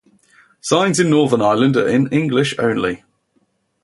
Signs in Northern Ireland are in English only.